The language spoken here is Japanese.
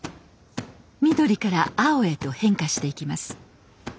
緑から青へと変化していきます。